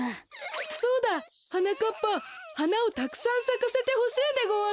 そうだはなかっぱはなをたくさんさかせてほしいでごわす。